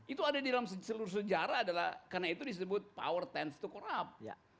itu ada di dalam seluruh sejarah adalah karena itu disebut power times to corrup